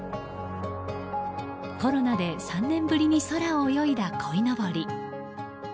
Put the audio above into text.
コロナで３年ぶりに空を泳いだこいのぼり。